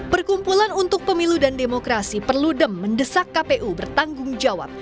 perkumpulan untuk pemilu dan demokrasi perludem mendesak kpu bertanggung jawab